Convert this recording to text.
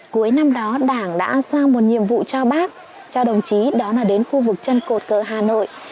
cuối năm đó đảng đã giao một nhiệm vụ cho bác cho đồng chí đó là đến khu vực chân cột cờ hà nội